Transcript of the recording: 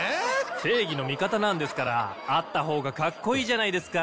正義の味方なんですからあったほうがかっこいいじゃないですか。